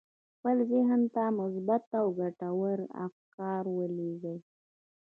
خپل ذهن ته مثبت او ګټور افکار ولېږئ